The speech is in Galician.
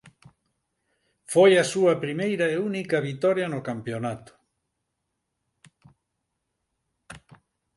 Foi a súa primeira e única vitoria no campionato.